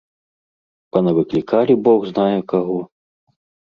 Панавыклікалі бог знае каго.